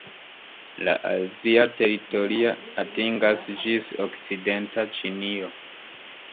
La azia teritorio atingas ĝis okcidenta Ĉinio.